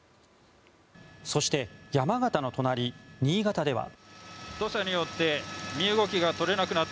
そして、山形の隣、新潟では。